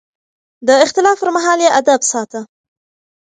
د اختلاف پر مهال يې ادب ساته.